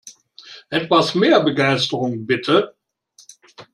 Etwas mehr Begeisterung, bitte!